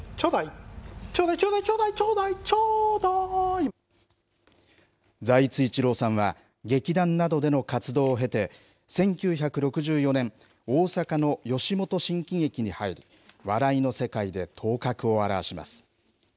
チョーダイ、チョーダイチョーダイ財津一郎さんは劇団などでの活動を経て１９６４年、大阪の吉本新喜劇に入り笑いの世界で頭角を現します。